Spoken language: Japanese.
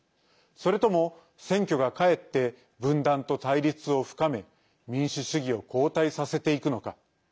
それとも、選挙がかえって分断と対立を深め民主主義を後退させていくのか。